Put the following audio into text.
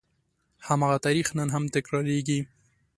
هماغه تاریخ نن هم تکرارېږي.